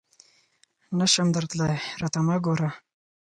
نه شم درتلای ، راته مه ګوره !